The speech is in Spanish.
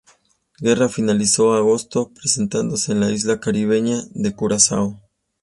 Guerra finalizó agosto presentándose en la isla caribeña de Curazao.